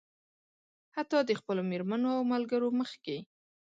حتيٰ د خپلو مېرمنو او ملګرو مخکې.